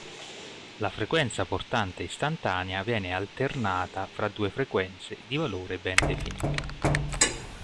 La frequenza portante istantanea viene alternata fra due frequenze di valore ben definito.